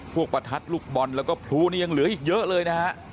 ประทัดลูกบอลแล้วก็พลุนี่ยังเหลืออีกเยอะเลยนะฮะ